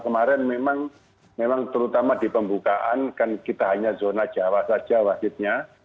kemarin memang terutama di pembukaan kan kita hanya zona jawa saja wasitnya